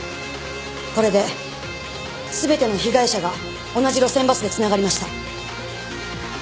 これで全ての被害者が同じ路線バスでつながりました。